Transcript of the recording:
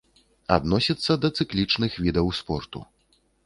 Адносіцца да цыклічных відаў спорту.